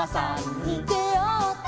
「であった」